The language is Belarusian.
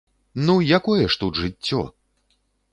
Ну, якое ж тут жыццё!